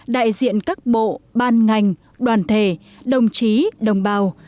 đại diện các bộ ban ngành đoàn thể đồng chí đồng bào